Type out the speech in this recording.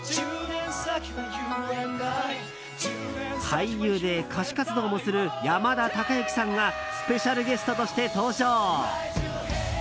俳優で歌手活動もする山田孝之さんがスペシャルゲストとして登場。